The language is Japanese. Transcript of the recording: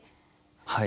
はい。